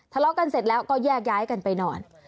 ทะเลาะกันเสร็จแล้วก็แยกย้ายกันไปนอน